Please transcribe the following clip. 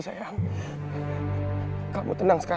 sayang kamu kenapa sih